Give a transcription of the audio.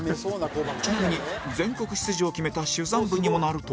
ちなみに全国出場を決めた珠算部にもなると